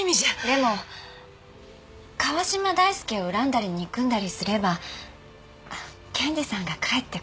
でも川嶋大介を恨んだり憎んだりすれば健治さんが帰ってくる。